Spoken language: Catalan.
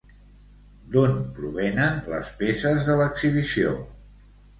D'on provenen les peces de l'exhibició?